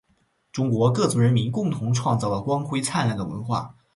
中国各族人民共同创造了光辉灿烂的文化